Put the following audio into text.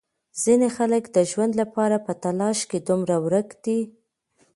ځینې خلک د ژوند لپاره په تلاش کې دومره ورک دي.